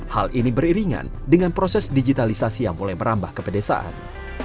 hal ini beriringan dengan proses digitalisasi yang mulai merambah ke pedesaan